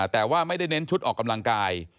แต่ว่าไม่ได้เน้นชุดออกกำลังกาย